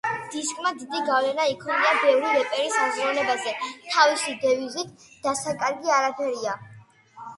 დისკმა დიდი გავლენა იქონია ბევრი რეპერის აზროვნებაზე, თავისი დევიზით „დასაკარგი არაფერია“.